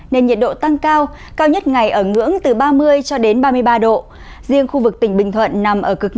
nên nhiệt độ tăng cao cao nhất ngày ở ngưỡng từ ba mươi ba mươi ba độ riêng khu vực tỉnh bình thuận nằm ở cực